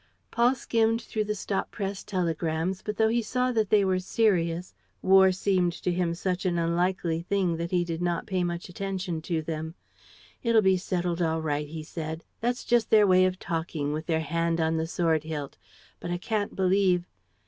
Paul skimmed through the stop press telegrams, but, though he saw that they were serious, war seemed to him such an unlikely thing that he did not pay much attention to them. "It'll be settled all right," he said. "That's just their way of talking, with their hand on the sword hilt; but I can't believe